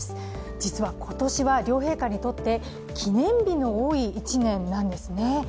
実は今年は両陛下にとって記念日の多い１年なんですね。